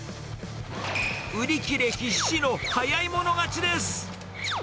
売り切れ必至の早い者勝ちです。